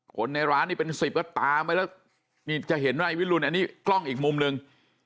คนในร้านนี่เป็นสิบก็ตามไปแล้วนี่จะเห็นว่านายวิรุณอันนี้กล้องอีกมุมหนึ่ง